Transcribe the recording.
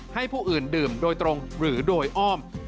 ให้ผู้อื่นดื่มโดยตรงหรือโดยอ้อม